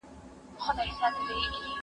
موږ د انساني ټولنې رفتار څېړو.